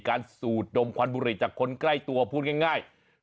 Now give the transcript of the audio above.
สูดดมควันบุหรี่จากคนใกล้ตัวพูดง่าย